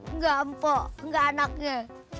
enggak mpok enggak anaknya